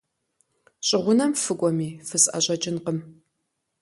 ЩӀы гъунэм фыкӀуэми, фысӀэщӀэкӀынкъым.